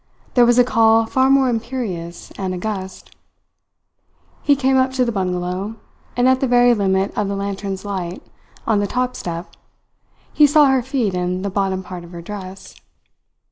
There was a call far more imperious and august. He came up to the bungalow, and at the very limit of the lantern's light, on the top step, he saw her feet and the bottom part of her dress.